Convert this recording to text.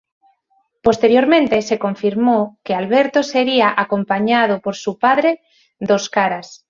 Posteriormente, se confirmó que Alberto sería acompañado por su padre Dos Caras.